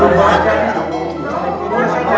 rupanya pakai apa